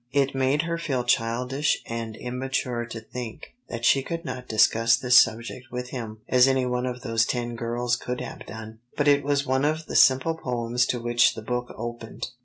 It made her feel childish and immature to think that she could not discuss this subject with him as any one of those ten girls could have done. But it was one of the simple poems to which the book opened.